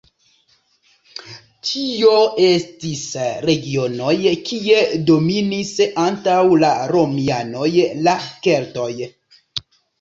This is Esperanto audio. Tio estis regionoj kie dominis antaŭ la romianoj la keltoj.